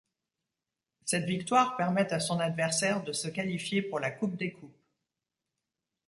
Cette victoire permet à son adversaire de se qualifier pour la Coupe des Coupes.